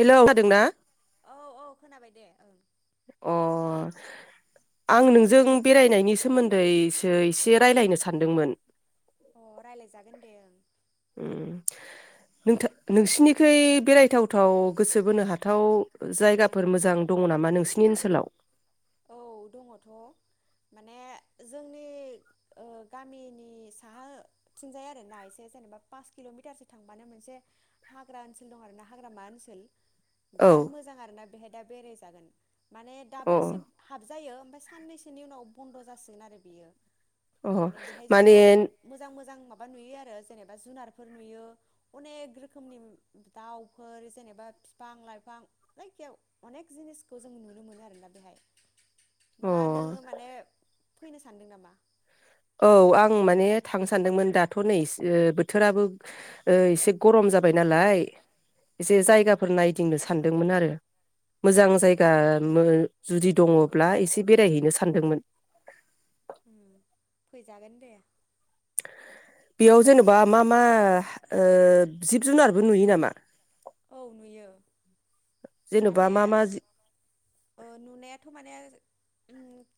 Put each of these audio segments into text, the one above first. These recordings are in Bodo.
हेलौ खोनादोंना औ औ खोनाबाय दे ओं अ आं नोंजों बेरायनायनि सोमोन्दैसो एसे रायलायनो सानदोंमोन। अ रायलाय जागोन दे ओं नोंथ नोंसिनिखै बेरायथावथाव गोसो बोनो हाथाव जायगाफोर मोजां दङ नामा नोंसि नि ओनसोलाव औ दङ'थ' माने जोंनि ओ गामिनि साहाथिंजाय आरोना एसे जेनेबा पास किल'मिटारसो थांबानो मोनसे हाग्रा ओनसोल दं आरो ना हाग्रामा ओनसोल। औ बिराद मोजां आरोना बेहाय दा बेराय जागोन। माने अ दाबो एसे हाबजायो ओमफ्राय साननैसेनि उनाव बन्द' जासिगोन आरो बियो अ माने बेहाय माने जोङो मोजां मोजां मा माबा नुयो आरो जेनेबा जुनारफोर नुयो अनेक रोखोमनि दाउफोर जेनेबा फिफां लाइफां जायखि अनेक जिनिसखौ जों नुनो मोनो आरोना बेहाय अ मा नोङो माने फैनो सानदों नामा? औ आं माने थांनो सानदोंमोन दाथ' नै बोथोराबो एसे गरम जाबाय नालाय एसे उम जायगाफोर नाय गिदिंनो सानदोंमोन आरो मोजां अ जायगा मो जुदि दङब्ला एसे बेरायहैनो सानदोंमोन [unintelligible] जागोन दे बेयाव जेनेबा मा मा जिब जुनारबो नुयो नामा औ नुयो जेन'बा माने मा मा जि ओ नुनायाथ' माने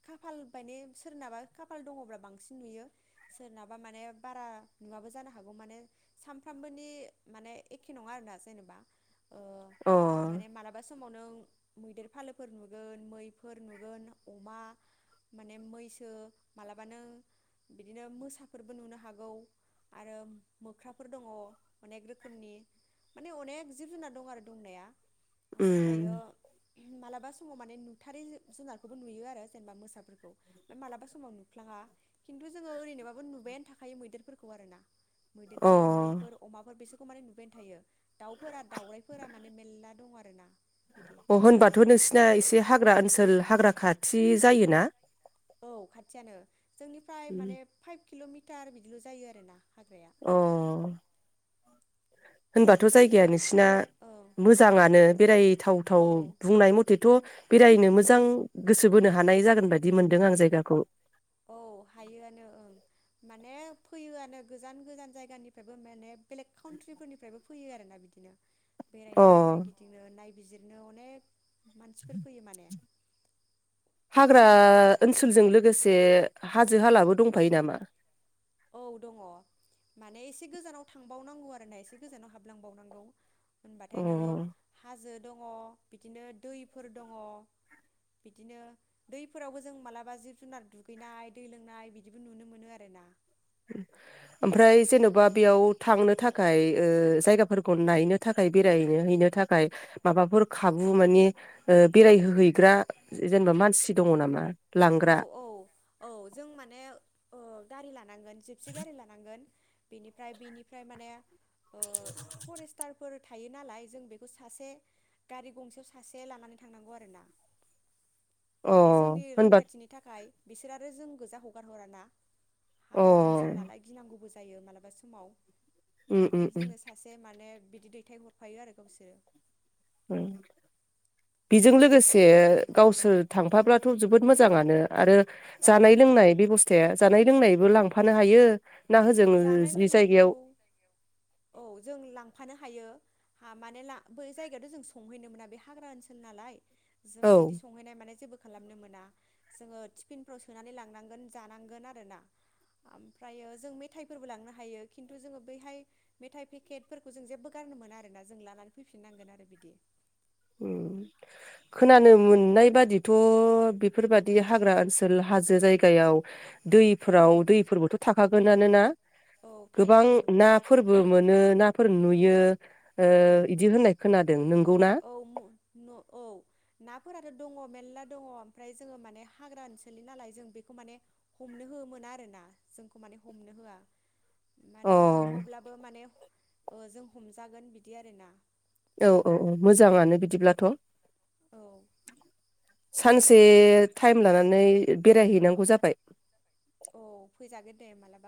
खाफाल बाने सोरनाबा खाफाल दङब्ला बांसिन नुयो सोरनाबा माने बारा नुवाबो जानो हागौ माने सानफ्रामबोनि माने एखे नङा आरोना जेनेबा अ माने मालाबा समाव नों मैदेर फालोफोर नुगोन मैफोर नुगोन अमा माने मैसो मालाबानो बिदिनो मोसाफोरबो नुनो हागौ आरो मोख्राफोर दङ अनेक रोखोमनि माने अनेक जिब जुनार दं आरो दंनाया ओमफ्रायो उम मालाबा समाव माने नुथारै जुनारखौबो नुयो आरो जेनेबा मोसाफोरखौ मालाबा समाव नुफ्लाङा खिन्थु जोङो ओरैनोबाबो नुबायानो थाखायो मैदेरफोरखौ आरो ना अ मैदेरफोर मैफोर अमाफोर बेसोर मै नुबायनो थायो दाउ फोरान दाउरायफोरा माने मेरला दं आरो अ होनबाथ' नोंसिना एसे हाग्रा ओनसो ल हाग्रा खाथि जायोना? औ खाथियानो जोंनिफ्राय माने फाइभ किल' मि टार बिदिल' जायो आरोना हाग्राया अ। होनबाथ' फैयो जायगाया नोंसिना गो औ मोजाङानो बेरायथाव थाव औ बुंनाय मथेथ' बेरायनो मोजां गोसो बोनो हानाय जागोन बायदि मोनदों आं जायगाखौ। औ हायोआनो ओं माने फैयोआनो गोजान गोजान जायगानिफ्रायबो माने बेलेग काउन्ट्रिफोरनिफ्रायबो फैयो आरोना बिदिनो। अ बेरायनो नायगिदिंनो नाय बिजिरनो अनेक मानसिफोर फैयो माने। हाग्रा ओनसोलजों लोगो से हाजो हालाबो दंफायो नामा? औ दङ' माने एसे गोजानाव थांबावनांगौ आरोना एसे गोजानाव हाबलांबावनांगौ। होनबाथाय नोङो अ हाजो दङ बिदिनो दैफोर दङ बिदिनो दैफोरावबो जों मालाबा जिब जुनार दुगैनाय दै लोंनाय बिदिबो नुनो मोनो आरोना। ओमफ्राय जेन'बा बेयाव थांनो थाखाय ओ जायगाफोरखौ नायनो थाखाय बेरायनोहैनो थाखाय माबाफोर खाबु मानि बेरायहैग्रा जेनेबा मानसि दङ' नामा? औ लांग्रा औ औ जों माने ओ गारि ला नांगोन जिपसि गारि लानांगोन। बिनिफ्राय बिनिफ्राय माने ओ फरेस्टार फोर थायो नालाय जों बेखौ सासे गारि गंसेयाव सासे लानानै थांनांगौ आरोना। अ माने जोंनि होनबा रैखा थिनि थाखाय बिसोर आरो जों गोजा हगार हराना। अ हाग्रा ओनसोल नालाय गिनांगौबो जा यो मालाबा समाव। उम उम बेखायनो जोंनो सासे माने बिदि दैथायहरफायो आरो गावसोरो। उम बेजों लोगोसे गावसोर थांफाब्लाथ' जोबोद मोजाङानो। आरो औ जानाय लोंनाय बेबस्थाया जानाय लोंनाय बो लांफानो हायो ना होजों जानाय जि जायगायाव लोंनायखौ औ जों लांफानो हायो। हा माने ला बै जायगायाथ' जों संहैनो मोना बे हाग्रा ओनसोल नालाय। जोङो औ बिदि संहैनाय माने जेबो खालामनो मोना जोंङो टिफिन फोराव सोनानै लानांगोन जानांगोन आरोना आमफ्रायो जों मे थाइफोरबो लांनो हायो खिन्थु जोङो बैहाय मेथाइ पेकेटफोरखौ जों जेबो गारनो मोना आरोना जों लानानै फैफिननांगोन आरो बिदि। औ खोनानो मोननाय बादिथ' बेफोरबादि हाग्रा ओनसोल हाजो जायगायाव। औ दैफोराव दैफोरबोथ' थाखागोननो ना औ थायो गोबां ओं नाफोरबो मोनो ना। फोर नुयो। ओ औ इदि होननाय खोनादों नंगौना? औ म न औ नाफोराथ' दङ मेरला दङ ओमफ्राय जोङो माने हाग्रा ओनसोलनि नालाय जों बेखौ माने हमनो हो मोना आरो ना जोंखौ माने हमनो होआ। माने अ हमोब्लाबो माने ओ जों हमजागोन बिदि आरोना। औ औ औ मोजाङानो बिदिब्लाथ'। औ। सानसे थाइम लानानै बेरायहैनांगौ जाबाय। औ फैजागोन दे माला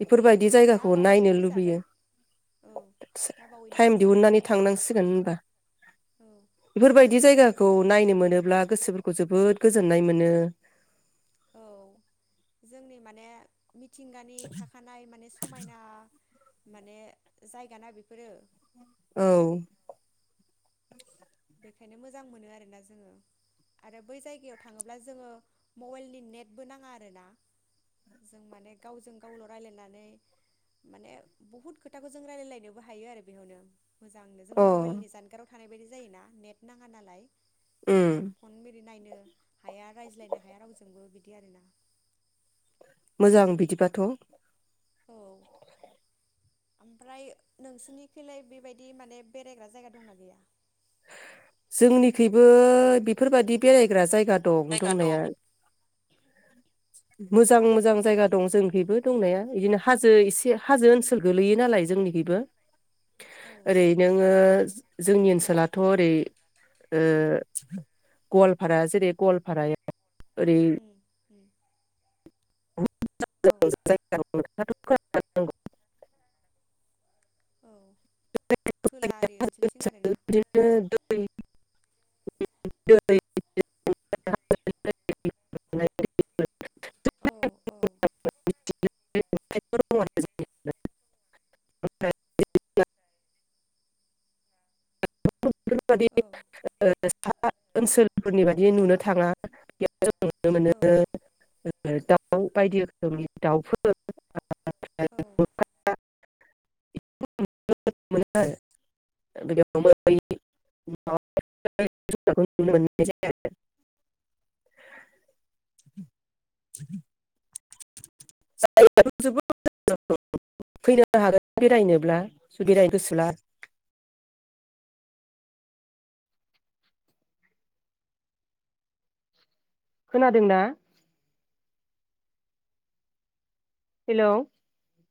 बेफोरबायदि जायगाखौ बावैनो नायनो फैजागोन लुबैयो औ दा बावैनो थाइम फैजागोन दिहुननानै थांनांसिगोन होनबा औ बेफोरबायदि ओम जायगाखौ नायनो मोनोब्ला गोसोफोर खौ जोबोद गोजोननाय मोनो। औ जोंनि माने मिथिंगानि थाखानाय माने समायना। माने जायगा ना बेफोरो। औ। बेखायनो मोजां मोनो आरोना जोङो आरो बै जायगायाव थाङोब्ला जोङो मबाइलनि नेटबो नाङा आरोना जों माने गावजों गावल' रायलायनानै माने बहुद खोथाखौ जों रायलायलायनोबो हायो आरो बेयावनो। मोजांनो जों अ मबाइलनि जानगाराव। थानाय बायदि जायोना। नेट नाङा नालाय। उम फन मेरै नायनो। हाया रायज्लायनो हाया रावजोंबो बिदि आरोना। मोजां बिदिबाथ'। औ ओमफ्राय नोंसिनिखैलाय बेबायदि माने बेरायग्रा जायगा दंना गैया। जोंनिखैबो बेफोरबायदि बेरायग्रा जायगा दं दंनाया। मोजां मोजां माबायदि जायगा माबायदि दं जों नोंसिनिथिं बेबो दंनाया इदिनो हाजो एसे हाजो ओनसोल गोलैयो नालाय जोंनिगैबो। औ ओरै नोङो। जोंनि ओनसोलाथ' ओरै ओ गवालफारा जेरै गवालफारा ओरै। [inaudible] औ [unintelligible] [unintelligible] औ खोला आरि ओनसोलथिं आरोना [unintelligible] [unintelligible] औ औ [unintelligible] [unintelligible] औ [unintelligible] सा ओनसोलफोरनि बाददि नुनो थाङा जों नुनो मोनो दाउ बायदि रोखोमनि दाउफोर औ [unintelligible] [unintelligible] [unintelligible] खोनादों ना? हेल'